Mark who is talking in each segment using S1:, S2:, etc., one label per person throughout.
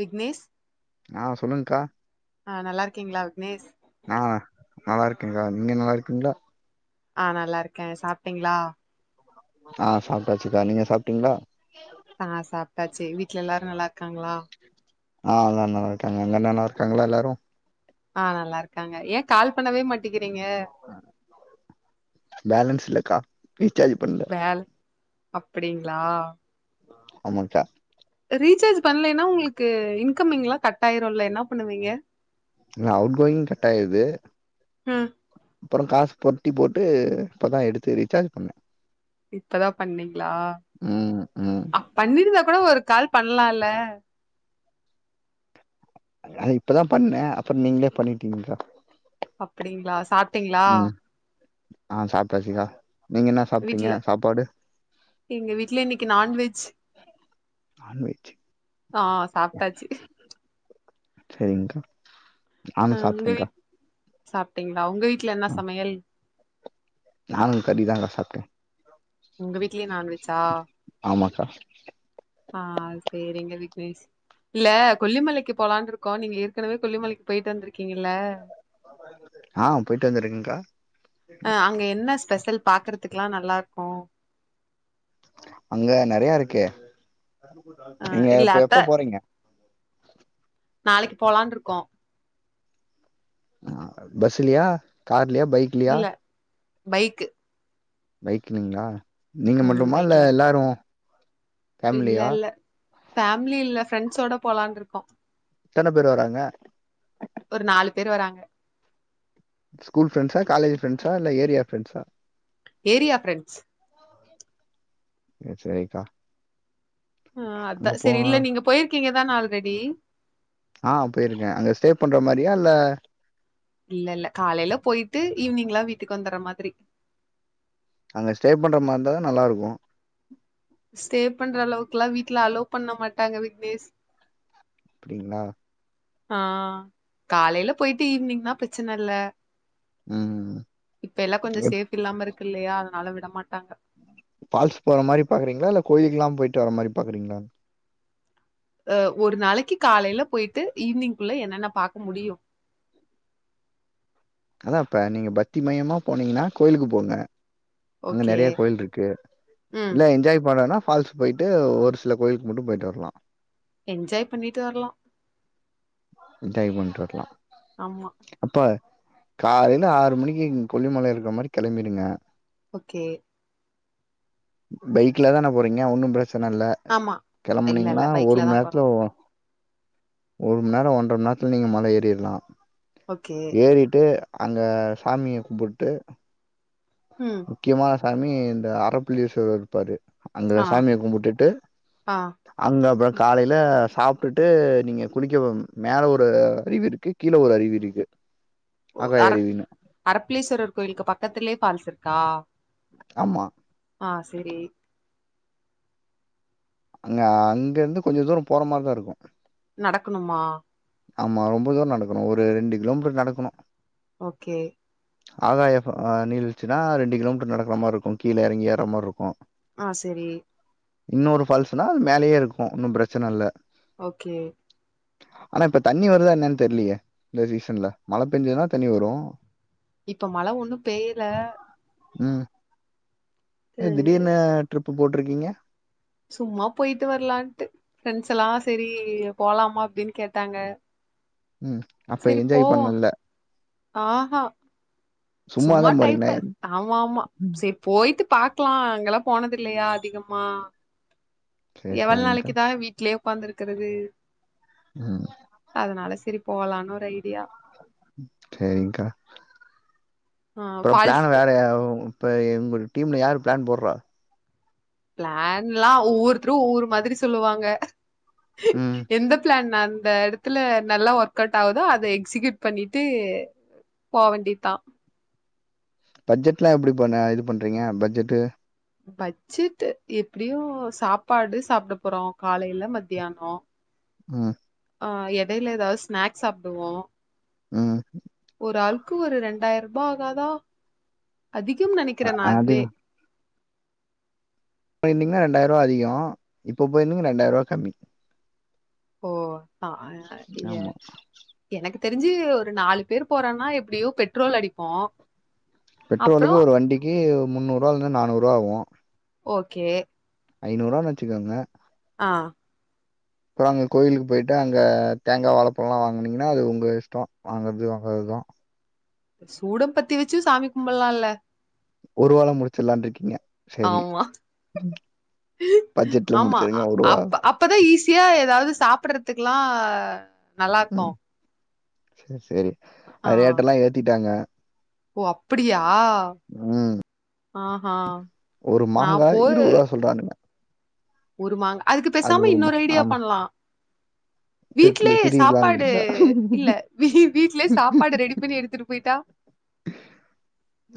S1: விக்னேஷ்
S2: ஆஹ் சொல்லுங்கக்கா
S1: ஆ நல்லா இருக்கீங்களா விக்னேஷ்
S2: நான் நல்லா இருக்கேன்க்கா நீங்க நல்லா இருக்கீங்களா
S1: ஆஹ் நல்லா இருக்கேன் சாப்பிட்டீங்களா
S2: ஆஹ் சாப்பிட்டாச்சுக்கா நீங்க சாப்பிட்டீங்களா
S1: ஆஹ் சாப்பிட்டாச்சு வீட்ல எல்லாரும் நல்லா இருக்காங்களா
S2: ஆஹ் எல்லாரும் இருக்காங்க அங்க நல்லா இருக்காங்களா எல்லாரும்
S1: ஆஹ் நல்லா இருக்காங்க எ கால் பண்ணவே மாட்டிக்கிறீங்க
S2: பேலன்ஸ் இல்லக்கா ரீசார்ஜ் பண்ணல
S1: அப்டிங்களா
S2: ஆமாக்கா
S1: ரீசார்ஜ் பண்ணலன்னா உங்களுக்கு இன்கமிங் எல்லா கட்டாயிரும்ல என்ன பண்ணுவீங்க
S2: ந அவுட்கோயிங் கட் ஆயிறுது
S1: ம்
S2: அப்றோம் காசு பொறட்டி போட்டு இப்பதான் எடுத்து ரீசார்ஜ் பண்ணேன்
S1: இப்பதான் பண்ணீங்களா
S2: ம் ம்
S1: அ பண்ணிருந்தா அப்றோ ஒரு கால் பண்ணலால்ல
S2: அது இப்பதான் பண்ணேன் அப்புறம் நீங்களே பண்ணிட்டீங்க்கா
S1: அப்டிங்களா சாப்பிட்டீங்களா
S2: ஆஹ் சாப்டாச்சுக்கா
S1: வீட்ல எங்க வீட்ல இன்னைக்கு நான்வெஜ்
S2: நான் வெஜ்
S1: ஆஹ் சாப்பிட்டாச்சு
S2: சரிங்க்கா நானும் சாப்பிட்டேன்கா
S1: சப் ங்களா உங்க வீட்ல என்ன சமையல்
S2: நானும் கறிதாங்க சாப்பிட்டேன்
S1: உங்க வீட்லயும் நான்வெஜ்ஜா
S2: ஹா
S1: ஆஹ் சரிங்க விக்னேஷ் இல்ல கொல்லிமலைக்கு போலான் இருக்கோம் நீங்க ஏற்கனவே கொல்லிமலைக்கு போயிட்டு வந்திருக்கீங்கல்ல
S2: ஆ போயிட்டு வந்திருக்கேங்க்கா
S1: அஹ் அங்க என்ன ஸ்பெஷல் பாக்குறதுக்கெல்லாம் நல்லாயிருக் போ
S2: அங்க நெறைய இருக்கே
S1: அ
S2: நீங்க
S1: இல்ல
S2: இப்ப
S1: அத்த
S2: எப்ப போறீங்க
S1: நாளைக்கு போலான் இருக்கோம்
S2: ஆஹ் பஸ்லயா கார் இல்ல பைக்லைய
S1: இல்ல பைக்கு
S2: பைக்லிங்ளா நீங்க மட்டுமா இல்ல எல்லாரு ஃபேமிலியா
S1: இல்லல்ல ஃபேமிலி இல்ல ஃப்ரெண்ட்ஸோட போலான்ருக்கோ
S2: எத்தன பேர் வராங்க
S1: ஒரு நாலு பேர் வராங்க
S2: ஸ்கூல் ஃப்ரெண்ட்ஸா காலஜு ஃப்ரண்ட்ஸா இல்ல ஏரியா ஃப்ரெண்ட்ஸா
S1: ஏரியா ஃப்ரெண்ட்ஸ்
S2: சேரிக்கா
S1: ஆ அதா
S2: அங்க போ
S1: சரி இல்ல நீங்க போயிருக்கீங்க தான ஆல்ரெடி
S2: ஆ போயிருக்கே அங்க ஸ்டே பண்ற மாரி யா இல்ல
S1: இல்லல்ல காலைல போயிட்டு ஈவினிங்லா வீட்டுக்கு வந்துர மா திரி
S2: அங்க ஸ்டே பண்ற மாருந்தாதா நல்லா இருக்கு
S1: ஸ்டே பண்ற அளவுக்குல்லா வீட்ல அலோ பண்ண மாட்டாங்க விக்னேஷ்
S2: அப்டிங்ளா
S1: ஆ காலைல போயிட்டு ஈவினிங்னா பிரச்சன இல்ல
S2: ம்
S1: இப்ப எல்லா கொஞ்ச சேப்டி இல்லாமருக் கில்லயா அதுனால விடமாட்டாங்க
S2: ஃபால்ஸ் போற மாரி பாக்குறீங்ளா இல்ல கோயிலுக்கெல்லா போயிட்டு வர மாரி பாக்குறீங்ளா
S1: அ ஒரு நாளைக்கி காலைல போயிட்டு ஈவ்னிங்குள்ள என்னன்ன பாக்க முடியு
S2: அதாம்ப்ப நீங்க பக்தி மயமா போனீங்கனா கோயிலுக்கு போங்க அங்க
S1: ஓகே
S2: நெறைய கோயில்ருக்கு
S1: ம்
S2: இல்ல என்ஜாய் பண்ணனா ஃபால்ஸ் போயிட்டு ஒரு சில கோயிலுக்கு மட்டு போயிட்டு வர்லா
S1: என்ஜாய் பண்ணிட்டு வர்லா
S2: என்ஜாய் பண்ட்டு வர்லா
S1: ஆமா
S2: காலைல ஆறு மணிக்கிங் கொல்லிமலைக்கிற மாரி கெளம்பிடுங்க
S1: ஓகே
S2: பைக்ல தானே போறீங்க ஒன்னும் ப்ர ச்சனல்ல
S1: ஆமா இல்ல
S2: கெளம்புனீங்கனா
S1: இல்ல
S2: ஒரு
S1: பைக்ல தா போறோ
S2: மநேரத்துல ஒரு மநேரொ ஒன்ற மநேரத்துல நீங்க மல ஏறிர்லா
S1: ஓகே
S2: ஏறிட்டு அங்க சாமிய கும்புட்டு
S1: ம்
S2: முக்யமா சாமி இந்த ஆறப்பள்ளி [unintelligible] இருப்பாரு அங்க
S1: ஆ
S2: சாமிய கும்புட்டுட்டு
S1: ஆ
S2: அங்க ப காலைல சாப்ட்டுட்டு நீங்க குளிக்க மேல ஒரு அருவி இருக்கு கீழ ஒரு அருவி இருக்கு
S1: ஓ
S2: ஆகாய
S1: அர
S2: அருவின்னு
S1: அரப்பலேஸ்வரர் கோயிலுக்கு பக்கத்திலயே ஃபால்ஸ் இருக்கு. கா.
S2: ஆம்மா.
S1: ஆஹ சேரி.
S2: அங்க அங்க இருந்து கொஞ்ச தூரோ போற மாரிதா இருக்கு.
S1: நடக்கணுமா.
S2: ஆமா ரொம்ப தூரோ நடக்கணு ஒரு ரெண்டு கிலோமீட்டர் நடக்கணு.
S1: ஓக்கே.
S2: ஆகாய நீழ்வீழ்ச்சின்னா ரெண்டு கிலோமீட்டர் நடக்கற மாரி இருக்கு கீழ எறங்கி ஏற மாரி இருக்கு.
S1: ஆஹ சேரி.
S2: இன்னொரு ஃபால்ஸ்ன்னா அது மேலயே இருக்கு ஒன்னு பிரச்சன இல்ல.
S1: ஓகே.
S2: ஆனா இப்ப தண்ணி வருதா என்னன்னு தெரியலையே. இந்த சீசன்ல மழ பெஞ்சதுன்னா தண்ணி வரு.
S1: இப்ப மழ ஒண்ணு பேய்யல.
S2: உஹம். என்ன திடீர்னு டிரிப். ப்பு போட்டிருக்கீங்க.
S1: சும்மா போயிட்டு வரலான்ட்டு. ஃப்ரெண்ட்ஸ் எல்லா சேரி போலாமா அப்படின்னு கேட்டாங்க.
S2: உம் அப்ப
S1: சரி
S2: என்ஜாய்
S1: போவோ
S2: பண்ணல்ல.
S1: ஆஹா. சும்மா டைம்
S2: போறீங்களா
S1: பாஸ். ஆமா ஆமா
S2: ம்
S1: சேரி போயிட்டு பாக்கலா அங்கல்லா. போனதில்லையா அதிகமா.
S2: சேரி
S1: எவ்வள
S2: சேரிங்க்கா
S1: நாளைக்குதா வீட்லயே. உக்காந்திருக்குறது.
S2: ம்
S1: அதனால சேரி. போலானு ஒரு ஐடியா.
S2: சேரிங்க்கா.
S1: ஆ
S2: அப்புறோ பிளான்
S1: ஃபால்ஸ்க்கு
S2: வேறயா. இப்ப உங்க டீம்ல யாரு பிளான் போடுறா.
S1: பிளான் எல்லா ஒவ்வொருத்தரு ஒவ்வொரு மாதிரி சொல்லுவாங்க.
S2: ம்
S1: எந்த பிளேன். ந அந்த இடத்துல நல்லா ஒர்க் அவுட் ஆகுதோ அத எக்ஸிகயூட் பண்ணிட்டு போவேண்டியதா.
S2: பட்ஜெட் எல்லா எப்படி பண்ண இது பண்றீங்க பட்ஜெட்டு.
S1: பச்ஜெட்டு எப்படியு சாப்பாடு சாப்புட போறோ காலையில மத்தியானோ.
S2: உஹு.
S1: ஆஹ எடையில ஏதாவது ஸ்நேக்ஸ் சாப்புடுவோ.
S2: உஹம்.
S1: ஒரு ஆளுக்கு ஒரு ரெண்டாயிரூபா ஆகாதா. அதிகம்
S2: அ
S1: நெனைக்குற நா
S2: அதிக
S1: அதுவே.
S2: போயிருந்திங்கன்னா ரெண்டாயிரூபா அதிகோ. இப்ப போயிருந்தீங்க ரெண்டாயிரூபா கம்மி.
S1: ஓ. ஆஹ
S2: ஆமா
S1: [unintelligible] எனக்கு. தெரிஞ்சு ஒரு நாலு பேர் போறோன்னா எப்படியோ பெட்ரோல் அடிப்போ.
S2: பெட்ரோலுக்கு ஒரு வண்டிக்கு முன்னூரூபா இருந்து நானூறு. ரூபா ஆகு.
S1: ஓகே.
S2: ஐநூரூபான்னு வச்சுக்கோங்க.
S1: ஆஹ.
S2: அப்புறோ அங்க கோயிலுக்கு போயிட்டு அங்க தேங்கா வாழப்பழோல்லா வாங்குனீங்கன்னா அது உங்க இஷ்டோ வாங்கறது வாங்காதது.
S1: சூடம் பத்தி வச்சு சாமி கும்பல்லா இல்ல.
S2: ஒருவேல முடுச்சிடலான்னு இருக்கீங்க. சரி
S1: ஆமா
S2: பட்ஜெட்ல
S1: ஆமா
S2: முடிச்சிருங்க ஒருவா
S1: அப்ப அப்பதா ஈஸியா ஏதாவது சாப்பிடுறதுக்கெல்லா நல்லா இருக்கு.
S2: சேரி சேரி. அதெயாட்ட எல்லா ஏத்திட்டாங்க.
S1: ஓ அப்படியா. ஆ.
S2: ம்
S1: ஆஹஹா.
S2: ஒரு மாங்காய் இருவது ரூபா சொல்றான்னுங்க.
S1: ஒரு மாங்கா அதுக்கு பேசாம
S2: ஒரு மா
S1: இன்னொரு ஐடியா
S2: ஆமா
S1: பண்லா.
S2: திருட்டு
S1: வீட்லயே
S2: திடீர்லான்னு
S1: சாப்பாடு
S2: இருந்தா
S1: இல்ல வீ வீட்லயே சாப்பாடு ரெடி பண்ணி எடுத்துட்டு போயிட்டா.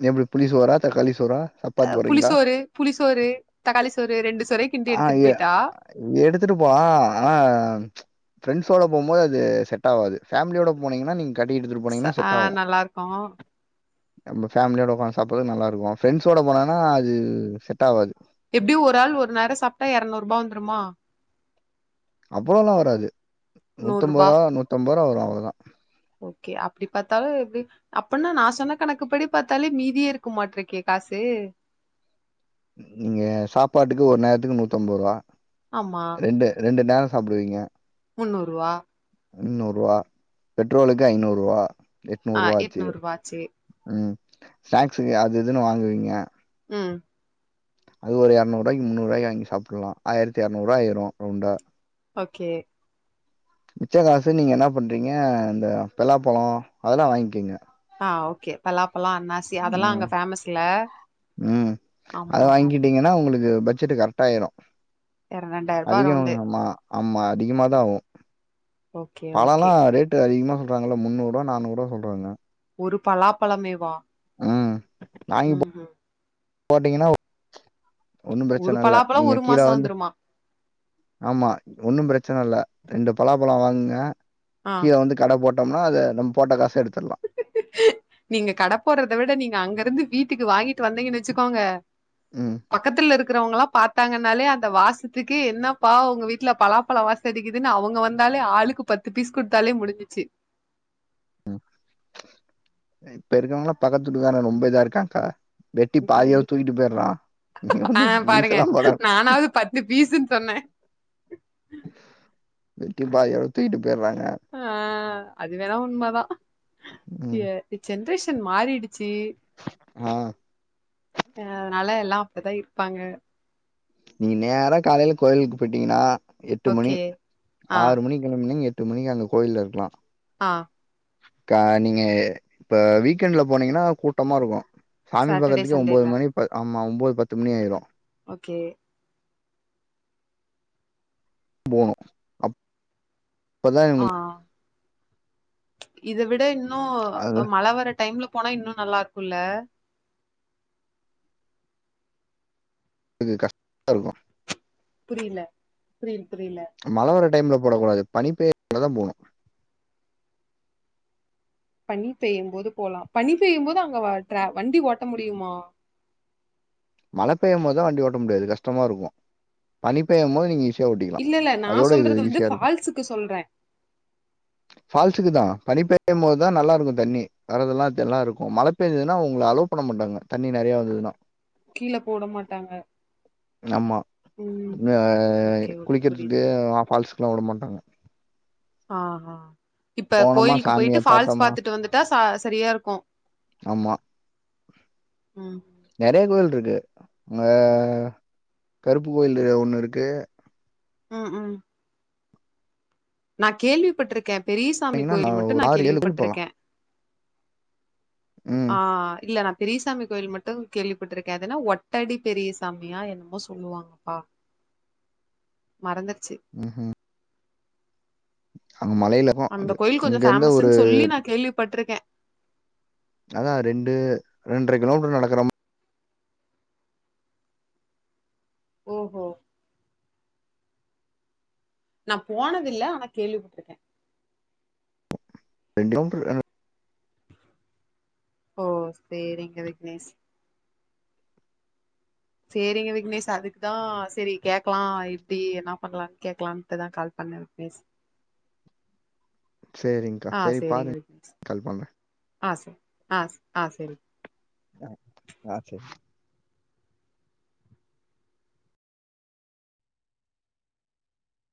S2: எப்டி புளி சோறா தக்காளி சோ. சோறா சப்பாத்தி போடுறீங்களா.
S1: புளிசோறு புளிசோறு தக்காளி சோறு ரெண்டு சோறே கிண்டி
S2: ஆஹ
S1: எடுத்துட்டு போயிட்டா
S2: எடுத்துட்டு போலா ஆனா ம்ச். ஃப்ரெண்ட்ஸோட போம்போது அது செட் ஆகாது ஃபேமிலியோட போனிங்கன்னா நீங்.
S1: ச ஆஹ நல்லா இருக்கு.
S2: நம்ம ஃபேலியோட உக்காந்து சாப்புறது நல்லா இருக்கு. ஃப்ரெண்ட்ஸோட போனோனா அது செட் ஆகாது.
S1: எப்படி ஒரு ஆள் ஒரு நேரோ சாப்புட்டா எரநூறுபா வந்துருமா.
S2: அவ்வளோ எல்லா வராது.
S1: நூறுபா
S2: நூத்தொம்பதுருபா நூத்தொம்பதுருபா வரு. அவ்வளதா.
S1: ஓகே அப்படி பாத்தாலு எப்படி அப்படின்னா நா சொன்ன கணக்குப்படி பாத்தாலே மீதியே இருக்க மாட்டிருக்கே காசு.
S2: நீங்க சாப்பாட்டுக்கு ஒரு நேரத்துக்கு நூத்தம்பதுரூபா. ரெண்டு ரெண்டு நாள். சாப்புடுவீங்க.
S1: முன்னூரூவா.
S2: முன்னூரூவா. பெட்ரோலுக்கு ஐநூரூவா.
S1: ஆ
S2: எட்நூரூவா ஆச்சு
S1: எட்நூறுவா ஆச்சு
S2: உம். ஸ்நாக்ஸ்க்கு அது இதுன்னு வாங்குவீங்க.
S1: ம்.
S2: அது ஒரு எறநூறுவாய்க்கு முன்னூறுவாய்க்கு வாங்கி சாப்புல்லா ஆயிரத்தி எரநூறுவாயிரு ரவுண்டா
S1: ஓகே
S2: மிச்ச காசு நீங்க என்ன பண்றீங்க இந்த பெல்லாப்பழொ அதெல்லா வாங்கெங்க
S1: ஆ ஓகே பலா பழொ அன்னாசி அதெல்லா அங்க
S2: ம்
S1: ஃபேமஸ்ல
S2: ம்
S1: ஆமாமாமா
S2: ஜெட்டு கரெக்டாயிரு அதிகொ
S1: ரவுண்டு
S2: மா ஆமா அதிகமாதாவு
S1: ஓகே
S2: பழொல்லா
S1: ஓகே
S2: ரேட்டு அதிகமா சொல்றாங்கள முன்னூறுவா நானூருவா சொல்றாங்க
S1: ஒரு பலாப்பழமேவா ம் ம்
S2: போட்டீங்கனா ஒன்னும்
S1: ஒரு
S2: ப்ரச்சன இல்ல
S1: பலாப்பழோ
S2: நீங்க
S1: ஒரு
S2: கீழ
S1: மாசோ
S2: வந்து
S1: வந்துருமா
S2: ஆமா ஒன்னும் ப்ரச்சன இல்ல ரெண்டு பலாப்பழொ வாங்குங்க
S1: ஆ
S2: கீழ வந்து கட போட் பட்னா அத நம் போட்ட காசு எடு
S1: நீங்க கட போட்றத விட நீங்க அங்க இருந்து வீட்டுக்கு வாங்கிட்டு வந்தீங்கன் வச்சுக்கோங்க
S2: ம்
S1: பக்கத்துலருக் க்கிறவங்கல்லா பாத்தாங்கன்னாலே அந்த வாசத்துக்கே என்னப்பா உங்க வீட்ல பலாப்பழ வாச அடிக்கிதுன்‌ அவுங்க வந்தாலே ஆளுக்கு பத்து பீஸ் குடுத்தாலே முடுஞ்சிச்சு
S2: இப்ப இருக்கவங்ளா பக்கத்துட்டுகார ரொம்ப இதா இருக்கான்கா வெட்டி பாதியா
S1: ஐயோ
S2: தூக்கிட்டு போயர்றா
S1: ஆ
S2: [unintelligible]
S1: பாருங்க
S2: பீஸெல்லாம்‌ போட
S1: நானாவது பத்து பீஸுன்னு சொன்னே
S2: வெட்டி பாயோட தூயிட்டு
S1: அ அது வேணா உண்மதா
S2: ம்.
S1: எ ஜென்ரேஷ ன் மாறிடு ச்சு
S2: ஆ.
S1: யதுனால எல் லா அப்டிதா இருப்பாங்க
S2: நீங் நேரா காலைல கோயிலுக்கு போயிட்டீங்கனா எட்டு மணி
S1: ஓகே ஆ
S2: ஆறு மணி கெளம்னிங்க எட் டு மணிக்கு அங்க ‌கோயில்ல இருக்கலா
S1: ஆ
S2: கா நீங்க இப்ப வீக்என்ட்ல போனீங்கனா கூட்டமா இருக்கு சாமி
S1: சாட்டர்டே
S2: பாக்கத்துக்கே
S1: சண்டேல
S2: ஒம்போது மணி ப ஆ மா ஒம்போது பத்து மணி ஆயிரு
S1: ஓகே
S2: போணு அப் இப்பதா உங்களு
S1: இதவிட ‌இன் போ
S2: அது
S1: மழை வர டைம்ல போன இன்னும் நல்லா இருக்கும்ல்ல
S2: அதுக்கு கஷ்டா இருக்கும்
S1: புரியல புரியல
S2: மழை வர டைம்ல போடக்க கூடாது
S1: பனி பொய்யும்போது போலாம் பனி பெய்யும்போது வண்டி ஓட்ட முடியுமா
S2: மழை பெய்யும்போது தான் வண்டி ஓட்ட முடியாது கஷ்டமா இருக்கும் பனி பெய்யும்போது நீங்க ஈசி
S1: இல்ல இல்ல நா சொல்றது வந்து பால்ஸ் கு சொல்றேன்
S2: பால்ஸ்க்கு தான் பனி பெய்யும் போதுதான் நல்லா இருக்கும் தண்ணி வரதெல்லாம் எல்லாம் இருக்கும் மழை பெய்ஞ்சதுன்னா அவங்களை அலோவு பண்ண மாட்டாங்க தண்ணி நிறைய வந்ததுதான்
S1: கீழ போட மாட்டாங்க
S2: ஆமா
S1: ம்
S2: ஆஹ்
S1: ஓகே ஓகே புரியுது
S2: குளக்கிறதுக்கு பால்ஸ்கெல்லாம் விட மாட்டோம் ஆமா
S1: ஆஹ் ஹ் இப்ப கோயிலுக்கு போயிட்டு
S2: சாமியை
S1: பால்ஸ்
S2: பார்த்தோமா
S1: பாாரத்துட்டு வந்துட்டா ச சரியா இருக்கும்
S2: ஆமா
S1: உம்
S2: ஆஹ் கருப்பு கோவில் ஒன்னு இருக்கு
S1: உம் உம் நா கேள்விப்பட்டிருக்கேன் பெரியசாமி
S2: பார்த்தீங்கன்னா
S1: கோவில்
S2: நான்
S1: மட்டும்
S2: ஒரு
S1: நா
S2: ஆறு ஏழு கோயில்
S1: கேள்விப்பட்டு
S2: போகலாம்
S1: இருக்கேன்
S2: ம்
S1: ஆஹ் இல்ல நான் பெரியசாமி கோயில் மட்டும் கேள்வி பட்டுருக்கேன் அதன்னா ஒட்டடி பெரிய சாமியா என்னமோ சொல்லுவாங்கப்பா மறந்து
S2: உம் உம் [inaudible]
S1: அந்த
S2: அது
S1: கோயில் கொஞ்ச
S2: இங்க இருந்து ஒரு
S1: பேமஸ்ன்னு சொல்லி நான் கேள்விப்பட்டிருக்கேன்
S2: அதான் ரெண்டு ரெண்டரை கிலோமீட்டர் நடக்கற மா
S1: ஓஹ் ஓஹ் நா போனதில்ல ஆனா கேள்விப்பட்டிருக்கேன்
S2: ரெண்டு கிலோ மீட்டர்
S1: ஓ சேரிங்க விக்னேஷ் சேரிங்க விக்னேஷ் அதுக்குதான் சேரி கேக்கலாம் இப்டி என்ன பண்ணலாம்னு கேக்கலாம்ட்டுதான் கால் பண்ணேன் விக்னேஷ்
S2: சேரிங்கா
S1: ஆ
S2: சேரி
S1: சேரிங்க
S2: பாருங்க கால் பண்றேன்
S1: ஆஹ் ஆஹ் சேரி
S2: ஆஹ் ஆ சேரி